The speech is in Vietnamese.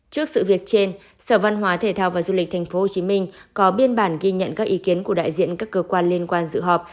trước sự việc trên sở văn hóa thể thao và du lịch tp hcm có biên bản ghi nhận các ý kiến của đại diện các cơ quan liên quan dự họp